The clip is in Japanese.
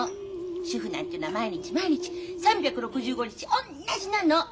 主婦なんていうのは毎日毎日３６５日同じなの！